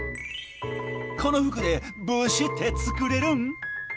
この服で帽子って作れるん。